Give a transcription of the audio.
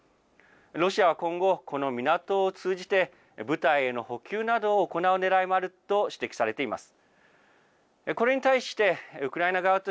ロシアは今後、この港を通じて、部隊への補給などを行うねらいがあると指摘されています。